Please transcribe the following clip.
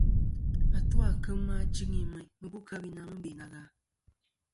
Atu à kema jɨŋi meyn, mɨ bu kɨ-a wi na mɨ be na gha.